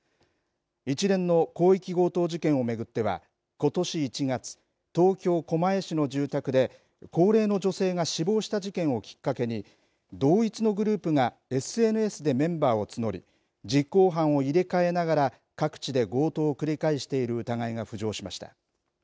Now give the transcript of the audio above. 一連の広域強盗事件を巡ってはことし１月東京、狛江市の住宅で高齢の女性が死亡した事件をきっかけに同一のグループがＳＮＳでメンバーを募り実行犯を入れ替えながら各地で強盗を繰り返している疑いが浮上しました。